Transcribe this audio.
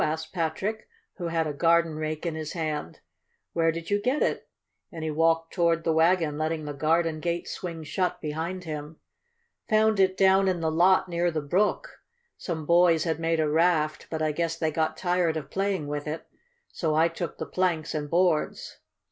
asked Patrick, who had a garden rake in his hand. "Where did you get it?" and he walked toward the wagon, letting the garden gate swing shut behind him. "Found it down in the lot near the brook. Some boys had made a raft, but I guess they got tired of playing with it, so I took the planks and boards.